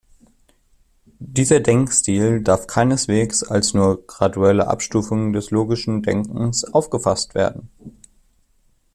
Dieser Denkstil darf keineswegs als nur graduelle Abstufung des logischen Denkens aufgefasst werden.